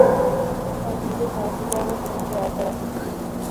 তাই দ্রুত শনাক্তকরণ ও চিকিৎসার আওতায় আসা জরুরি।